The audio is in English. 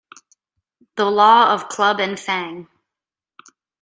The Law of Club and Fang